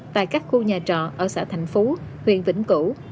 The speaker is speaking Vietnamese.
tại các khu nhà trọ ở xã thành phú huyện vĩnh cửu